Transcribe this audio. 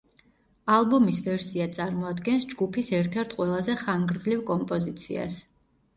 ალბომის ვერსია წარმოადგენს ჯგუფის ერთ-ერთ ყველაზე ხანგრძლივ კომპოზიციას.